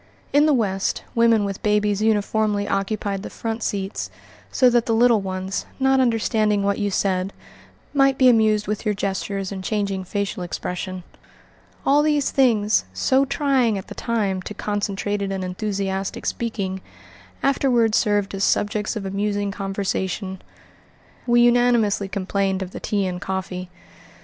In the West, women with babies uniformly occupied the front seats so that the little ones, not understanding what you said, might be amused with your gestures and changing facial expression. All these things, so trying, at the time, to concentrated and enthusiastic speaking, afterward served as subjects of amusing conversation. We unanimously complained of the tea and coffee. Mrs.